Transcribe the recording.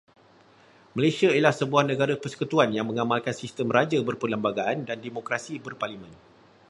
Malaysia ialah sebuah negara persekutuan yang mengamalkan sistem Raja Berperlembagaan dan Demokrasi Berparlimen.